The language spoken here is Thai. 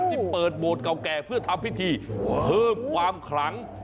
ที่เปิดโบสถ์เก่าแก่เพื่อทำพิธีเพิ่มความขลัง